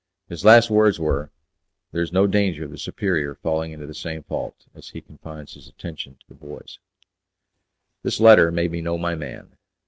His last words were, "There is no danger of the superior falling into the same fault, as he confines his attention to the boys." This letter made me know my man.